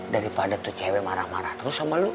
daripada tuh cewek marah marah terus sama lu